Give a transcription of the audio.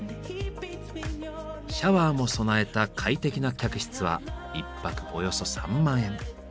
シャワーも備えた快適な客室は１泊およそ３万円。